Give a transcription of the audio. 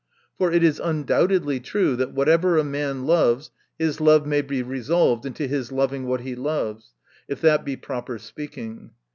For it is undoubtedly true, that whatever a man loves, his love may be resolved into his lovino what he loves — if that be proper speaking.